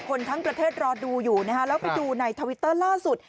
คนทั้งประเทศรอดูอยู่นะฮะแล้วไปดูในทวิตเตอร์ล่าสุด